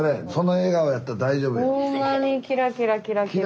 ほんまにキラキラキラキラ。